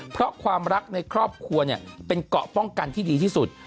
เพราะความรักในครอบครัวเป็นเกาะป้องกันที่ดีที่สุด